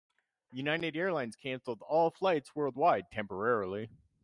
United Airlines cancelled all flights worldwide temporarily.